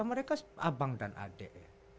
mereka abang dan adik